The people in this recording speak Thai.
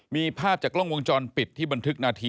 มีภาพจากกล้องวงจรปิดที่บันทึกนาที